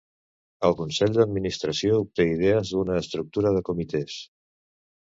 El Consell d'Administració obté idees d'una estructura de comitès.